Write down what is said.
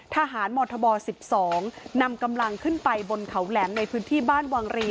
ทหารมธบ๑๒นำกำลังขึ้นไปบนเขาแหลมในพื้นที่บ้านวังรี